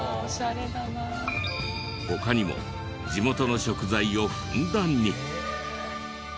他にも地元の食材をふんだんに！